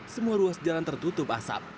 semua ruas jalan tertutup asap